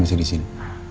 gak usah disini